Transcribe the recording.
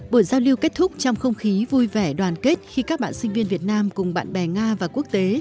buổi giao lưu kết thúc trong không khí vui vẻ đoàn kết khi các bạn sinh viên việt nam cùng bạn bè nga và quốc tế